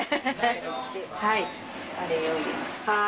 はい。